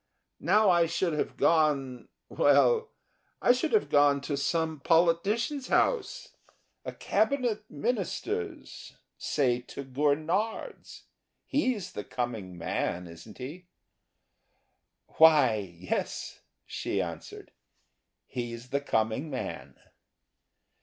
Now I should have gone well I should have gone to some politician's house a cabinet minister's say to Gurnard's. He's the coming man, isn't he?" "Why, yes," she answered, "he's the coming man."